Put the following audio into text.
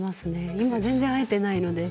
今、全然会えていないので。